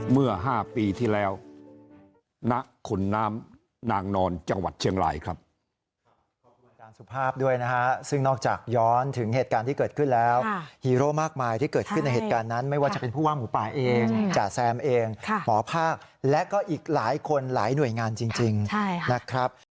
เมื่อ๕ปีที่แล้วณขุนน้ำนางนอนจังหวัดเชียงรายครับ